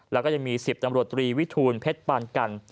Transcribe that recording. และมี๑๐ตำรวจตรีวิทูลเพชรปานกัล